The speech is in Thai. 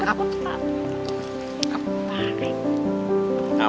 ใครครับ